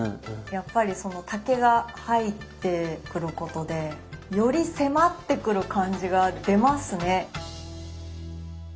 やっぱりその竹が入ってくることでより迫ってくる感じが出ますね。